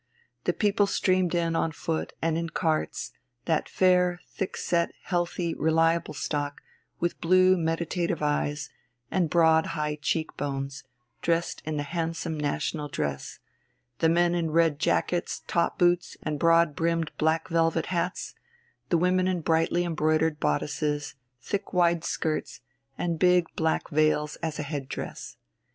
The people streamed in on foot and in carts, that fair, thick set, healthy, reliable stock with blue, meditative eyes and broad, high cheek bones, dressed in the handsome national dress the men in red jackets, top boots, and broad brimmed black velvet hats, the women in brightly embroidered bodices, thick, wide skirts, and big black veils as a head dress.